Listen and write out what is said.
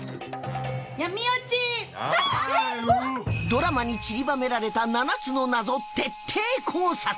ドラマにちりばめられた７つの謎徹底考察！